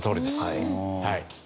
はい。